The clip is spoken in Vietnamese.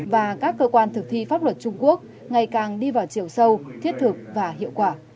hãy đăng ký kênh để ủng hộ kênh của mình nhé